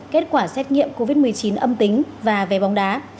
kết quả xét nghiệm covid một mươi chín âm tính và về bóng đá